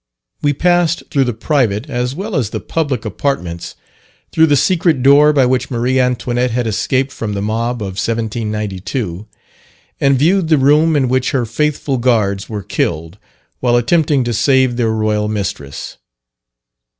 We passed through the private, as well as the public, apartments, through the secret door by which Marie Antoinette had escaped from the mob of 1792, and viewed the room in which her faithful guards were killed, while attempting to save their Royal mistress.